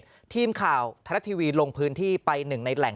พวงที่ทีมข่าวธนาคท์ทีวีลงพื้นที่ไป๑ในแหล่ง